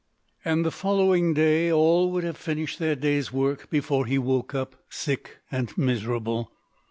And the following day all would have finished their day's work before he woke up sick and miserable.